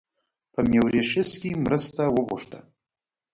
په میوریشیس کې مرسته وغوښته.